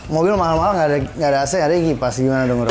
mobil mahal mahal gak ada ac ada kipas gimana dong bro